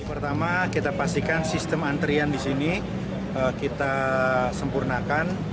pertama kita pastikan sistem antrean disini kita sempurnakan